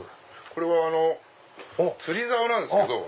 これは釣り竿なんですけど。